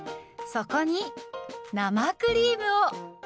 そこに生クリームを。